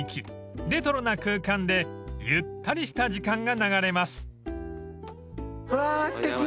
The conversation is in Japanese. ［レトロな空間でゆったりした時間が流れます］